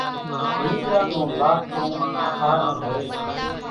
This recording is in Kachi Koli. لينٻڙا نون لاڪڙون کارون هوئيَ سي۔